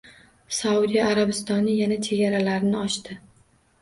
Saudiya Arabistoni yana chegaralarini ochdi